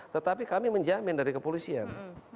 tetapi kami menjamin dari kepolisian